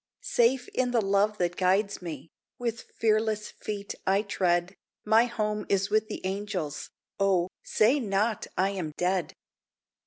Safe in the love that guides me, With fearless feet I tread My home is with the angels O, say not I am dead!